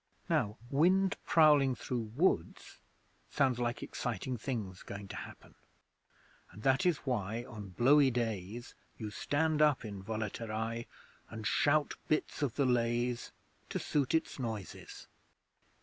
Now wind prowling through woods sounds like exciting things going to happen, and that is why on blowy days you stand up in Volaterrae and shout bits of the Lays to suit its noises.